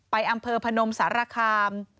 อำเภอพนมสารคาม